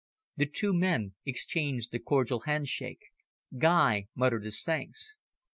The two men exchanged a cordial handshake. Guy muttered his thanks.